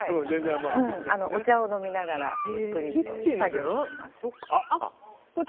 お茶を飲みながらゆっくり作業してます。